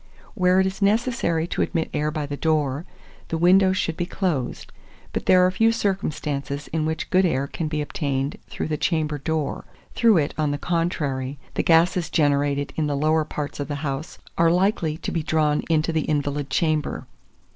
Where it is necessary to admit air by the door, the windows should be closed; but there are few circumstances in which good air can be obtained through the chamber door; through it, on the contrary, the gases generated in the lower parts of the house are likely to be drawn into the invalid chamber.